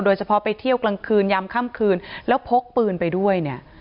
โดยเฉพาะไปเที่ยวกลางคืนยามค่ำคืนแล้วพกปืนไปด้วยเนี่ย